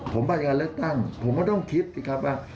ผมบรรยากาศเลือกตั้งผมไม่ต้องคิดว่า